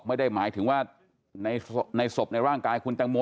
ไม่ได้หมายถึงว่าในศพในร่างกายคุณแตงโม